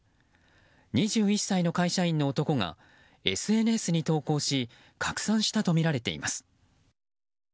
２１歳の会社員の男がＳＮＳに投稿し拡散したとみられています。